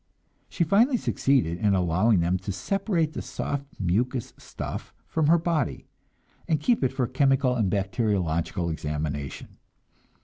She finally succeeded in allowing them to separate the soft mucous stuff from her body, and keep it for chemical and bacteriological examination.